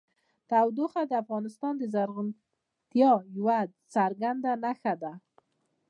تودوخه د افغانستان د زرغونتیا یوه څرګنده نښه ده.